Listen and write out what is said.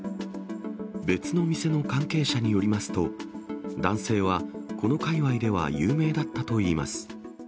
別の店の関係者によりますと、男性はこのかいわいでは有名だったといいます。